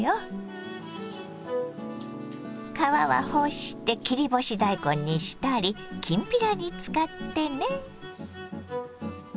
皮は干して切り干し大根にしたりきんぴらに使ってね。